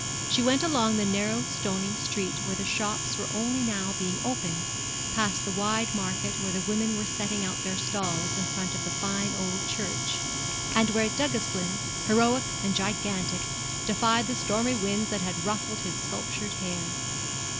She went along the narrow stony street where the shops were only now being opened, past the wide market where the women were setting out their stalls in front of the fine old church, and where Duguesclin, heroic and gigantic, defied the stormy winds that had ruffled his sculptured hair.